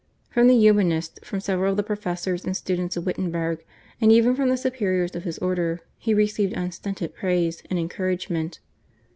From the Humanists, from several of the professors and students of Wittenberg, and even from the superiors of his order he received unstinted praise and encouragement.